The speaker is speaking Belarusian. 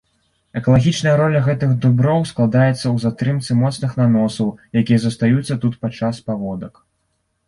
Экалагічная роля гэтых дуброў складаецца ў затрымцы моцных наносаў, якія застаюцца тут падчас паводак.